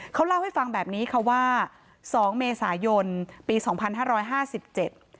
เขาเล่าให้ฟังแบบนี้ค่ะว่าสองเมษายนปีสองพันห้าร้อยห้าสิบเจ็ด